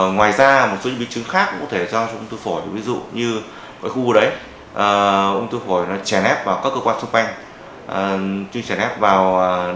ngoài ra một số những bệnh chứng khác cũng có thể do dư phổi ví dụ như khu đấy dư phổi nó chèn ép vào các cơ quan xung quanh chèn ép vào đám dối